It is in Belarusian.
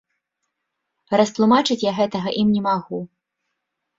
Растлумачыць я гэтага ім не магу.